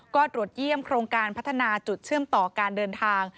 ก็ตรวจเยี่ยมโครงการพัฒนาจุดเชื่อมต่อการเดินทาง